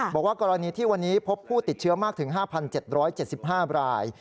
บอกว่ากรณีที่วันนี้พบผู้ติดเชื้อมากถึง๕๗๗๕ราย